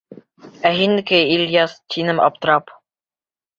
Ә һинеке, Ильяс? — тинем аптырам.